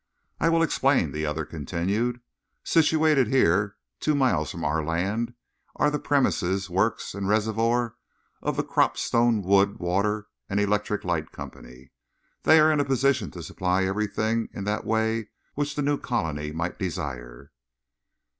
"I will explain," the other continued. "Situated here, two miles from our land, are the premises, works and reservoir of the Cropstone Wood, Water and Electric Light Company. They are in a position to supply everything in that way which the new colony might desire."